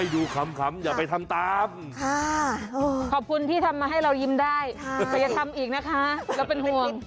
อยู่ขำอย่าไปทำตามขอบคุณที่ทำมาให้เรายิ้มได้แต่อย่าทำอีกนะคะเราเป็นห่วง